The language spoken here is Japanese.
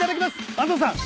安藤さん